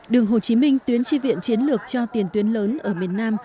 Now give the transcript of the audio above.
đường hồ chí minh tuyến tri viện chiến lược cho tiền tuyến lớn ở miền nam